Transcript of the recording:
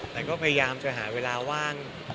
แต่ก็พยายามจะหาเวลาว่าง